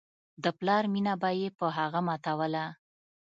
د پلار مينه به مې په هغه ماتوله.